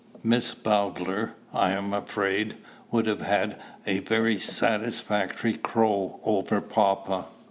Miss Bowdler, I am afraid, would have had a very satisfactory crow over papa.